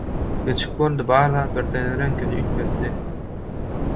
Niçik boldy bar zat birden reňkini üýtgetdi.